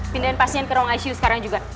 pindahin pasien ke ruang icu sekarang juga